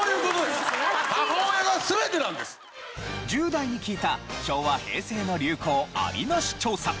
１０代に聞いた昭和・平成の流行アリナシ調査。